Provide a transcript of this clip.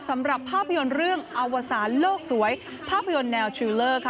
สำหรับภาพยนตร์เรื่องอวสารโลกสวยภาพยนตร์แนวชิลเลอร์ค่ะ